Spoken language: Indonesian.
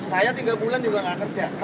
saya tiga bulan juga gak kerja